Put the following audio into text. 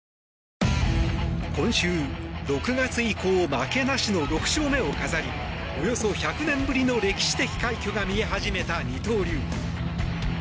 今週、６月以降負けなしの６勝目を飾りおよそ１００年ぶりの歴史的快挙が見え始めた二刀流。